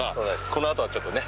このあとはちょっとね。